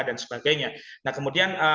dan sebagainya nah kemudian